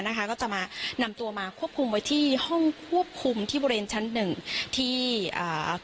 นะคะก็จะมานำตัวมาควบคุมไว้ที่ห้องควบคุมที่บริเวณชั้นหนึ่งที่อ่า